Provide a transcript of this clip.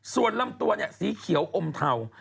ส่วนลำตัวเนี่ยสีเขียวอมเทา